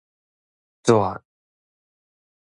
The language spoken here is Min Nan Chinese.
乍